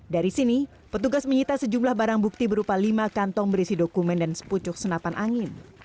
dari sini petugas menyita sejumlah barang bukti berupa lima kantong berisi dokumen dan sepucuk senapan angin